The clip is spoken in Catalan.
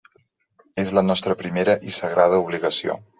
És la nostra primera i sagrada obligació.